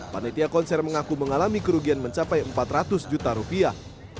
panitia konser mengaku mengalami kerugian mencapai empat ratus juta rupiah